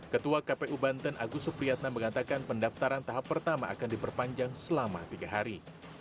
ketua kpu banten agus supriyatna mengatakan pendaftaran tahap pertama akan diperpanjang selama tiga hari